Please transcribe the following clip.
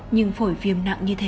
nhưng phổi viêm nặng như thế